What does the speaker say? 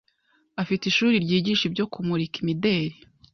Afite ishuri ryigisha ibyo kumurika imideri